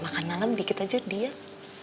makan malam dikit aja diet